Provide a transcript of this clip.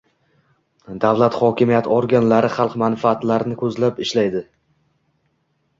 Davlat hokimiyati organlari xalq manfaatlarini ko'zlab ishlaydi